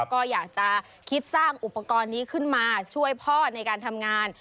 ก็อยากจะคิดสร้างอุปกรณ์นี้ขึ้นมาช่วยพ่อในการทำงาน